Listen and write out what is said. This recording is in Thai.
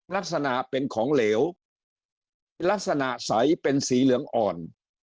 ลักษณะเป็นของเหลวลักษณะใสเป็นสีเหลืองอ่อน